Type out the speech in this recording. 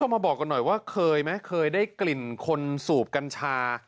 มาบอกกันหน่อยว่าเคยไหมเคยได้กลิ่นคนสูบกัญชา